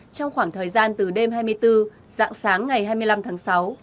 trong khoảng thời gian từ đêm hai mươi bốn dạng sáng ngày hai mươi năm tháng sáu